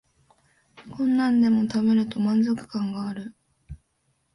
こんなんでも食べると満足感ある